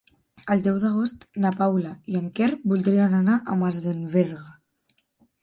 El deu d'agost na Paula i en Quer voldrien anar a Masdenverge.